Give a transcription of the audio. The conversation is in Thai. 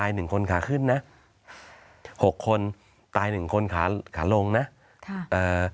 หนึ่งคนขาขึ้นนะหกคนตายหนึ่งคนขาขาลงนะค่ะเอ่อ